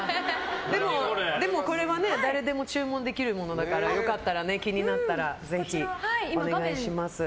でも、これは誰でも注文できるものだからよかったら、気になったらぜひお願いします。